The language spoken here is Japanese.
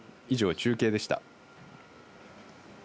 以上、中継でした。